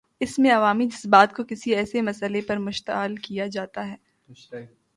اس میں عوامی جذبات کو کسی ایسے مسئلے پر مشتعل کیا جاتا ہے۔